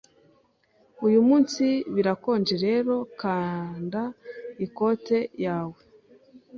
Uyu munsi birakonje rero kanda ikoti yawe.